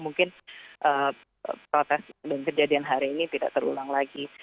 mungkin protes dan kejadian hari ini tidak terulang lagi